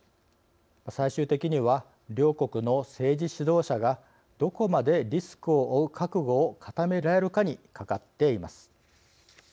最終的には両国の政治指導者がどこまでリスクを負う覚悟を固められるかにかかっています。